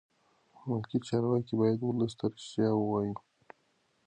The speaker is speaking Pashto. ملکي چارواکي باید ولس ته رښتیا ووایي.